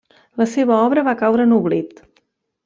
La seva obra va caure en oblit.